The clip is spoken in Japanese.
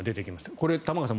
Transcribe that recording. これ、玉川さん